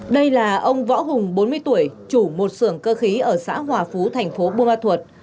đây là ông võ hùng bốn mươi tuổi chủ một sưởng cơ khí ở xã hòa phú tp buôn ma thuột